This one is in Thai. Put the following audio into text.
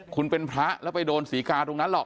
คุณเป็นพระแล้วไปโดนศรีกาตรงนั้นหรอก